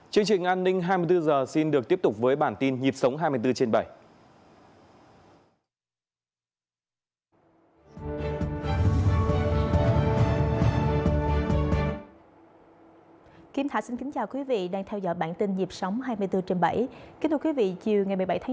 chương trình an ninh hai mươi bốn h xin được tiếp tục với bản tin nhịp sống hai mươi bốn trên bảy